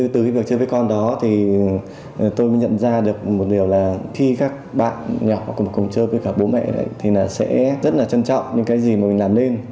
từ cái việc chơi với con đó thì tôi mới nhận ra được một điều là khi các bạn nhỏ cùng chơi với cả bố mẹ thì sẽ rất là trân trọng những cái gì mà mình làm nên